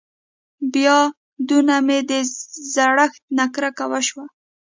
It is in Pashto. بيا دونه مې د زړښت نه کرکه وشوه.